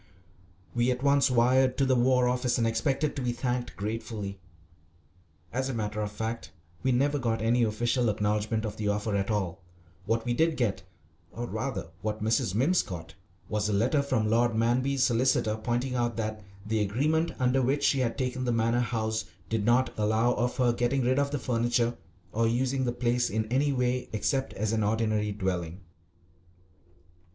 We at once wired to the War Office and expected to be thanked gratefully. As a matter of fact we never got any official acknowledgment of the offer at all. What we did get or rather what Mrs. Mimms got was a letter from Lord Manby's solicitor pointing out that the agreement under which she had taken the Manor House did not allow of her getting rid of the furniture or using the place in any way except as an ordinary dwelling.